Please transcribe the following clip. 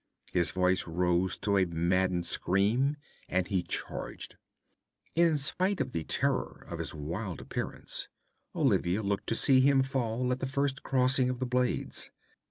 His voice rose to a maddened scream, and he charged. In spite of the terror of his wild appearance, Olivia looked to see him fall at the first crossing of the blades.